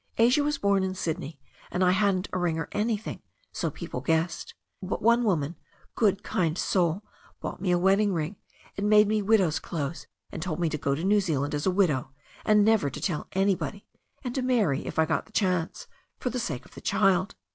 Asia was born in Sydney, and I hadn't a ring or anything, so people guessed. But one woman, good kind soul, bought me a wedding ring and made me widow's clothes, and told me to go to New Zealand as a widow, and never to tell anybody — and to marry, if I got the chance, for the sake of the child."